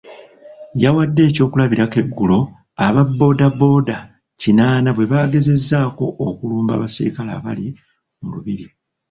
Yawadde eky'okulabirako eggulo aba bbooda bbooda kinaana bwe baagezezzaako okulumba abasirikale abali mu Lubigi.